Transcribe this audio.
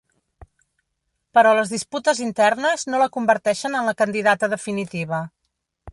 Però les disputes internes no la converteixen en la candidata definitiva.